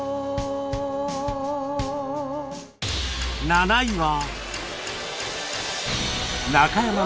７位は